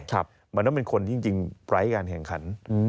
มันต้องเป็นคนที่จริงไร้การแข่งขัน